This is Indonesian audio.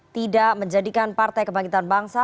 tidak menjadikan partai kebangkitan bangsa